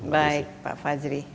baik pak fajri